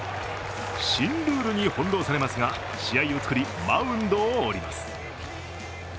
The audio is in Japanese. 新ルールに翻弄されますが、試合を作りマウンドを降ります。